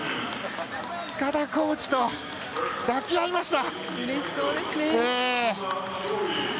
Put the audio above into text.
塚田コーチと抱き合いました。